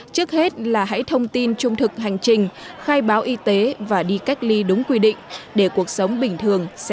trước hết là hãy thông tin trung thực hành trình